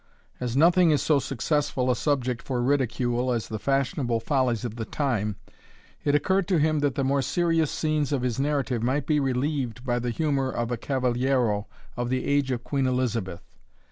As nothing is so successful a subject for ridicule as the fashionable follies of the time, it occurred to him that the more serious scenes of his narrative might be relieved by the humour of a cavaliero of the age of Queen Elizabeth.